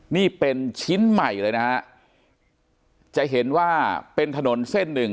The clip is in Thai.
นี่เป็นชิ้นใหม่เลยนะฮะจะเห็นว่าเป็นถนนเส้นหนึ่ง